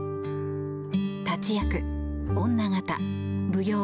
立役、女形、舞踊